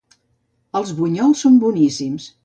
Els bunyols són boníssims.